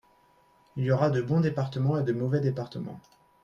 Il y aura de bons départements et de mauvais départements